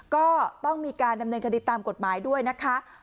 ก็ต้องมีการดำเนินคดีตามกฎหมายด้วยนะคะ